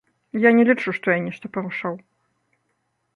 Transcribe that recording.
Я не лічу, што я нешта парушаў.